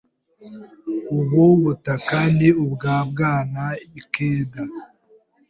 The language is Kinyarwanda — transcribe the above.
Ubu butaka ni ubwa Bwana Ikeda.